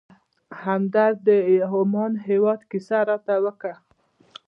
همدرد د عمان هېواد کیسه راته وکړه.